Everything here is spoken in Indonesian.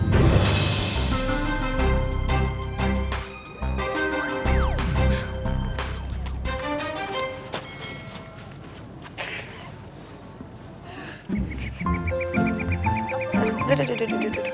gak usah udah udah udah